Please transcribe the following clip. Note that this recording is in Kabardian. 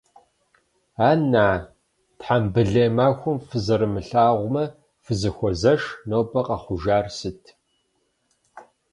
Ан-на, тхьэмбылей махуэм фызэрымылъагъумэ, фызэхуозэш, нобэ къэхъужар сыт?